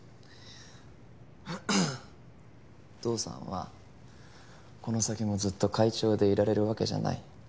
父さんはこの先もずっと会長でいられるわけじゃない。